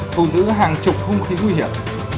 tù giữ hàng chục vũ khí nguy hiểm